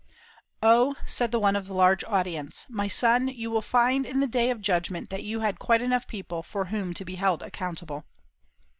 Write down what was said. "Oh," said the one of large audience, "my son, you will find in the day of judgment that you had quite enough people for whom to be held accountable."